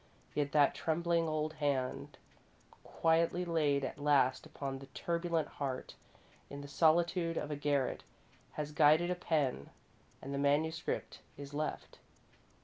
Yet that trembling old hand, quietly laid at last upon the turbulent heart, in the solitude of a garret has guided a pen, and the manuscript is left.